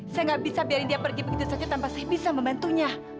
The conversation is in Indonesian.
saya nggak bisa biarin dia pergi begitu saja tanpa saya bisa membantunya